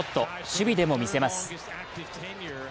守備でも見せます。